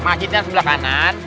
makasih tia sebelah kanan